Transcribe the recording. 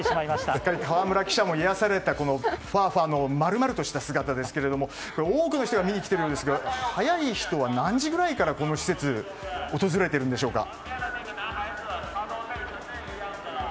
すっかり河村記者も癒やされたファーファーの丸々とした姿ですけど多くの人が見に来ているようですが早い人は何時ぐらいからこの施設を訪れてるんでしょうか。